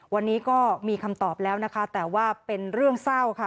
วันนี้ก็มีคำตอบแล้วนะคะแต่ว่าเป็นเรื่องเศร้าค่ะ